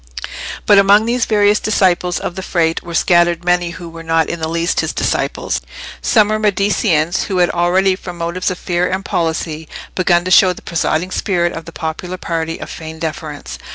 But among these various disciples of the Frate were scattered many who were not in the least his disciples. Some were Mediceans who had already, from motives of fear and policy, begun to show the presiding spirit of the popular party a feigned deference.